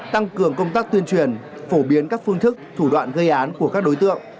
tăng cường công tác tuyên truyền phổ biến các phương thức thủ đoạn gây án của các đối tượng